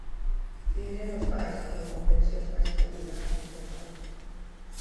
"Viviremos máis, pero con pensións máis cativas", alertou Carril.